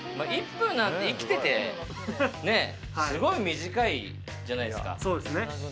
生きててすごい短いじゃないですか。